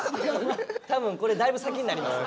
多分これだいぶ先になりますよ。